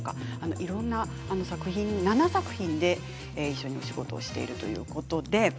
いろんな作品、７作品で一緒にお仕事をされているということです。